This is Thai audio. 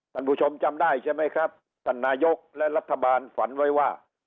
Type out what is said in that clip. ท่านผู้ชมจำได้ใช่ไหมครับท่านนายกและรัฐบาลฝันไว้ว่า